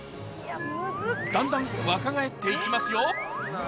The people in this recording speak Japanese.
だんだん若返っていきますよ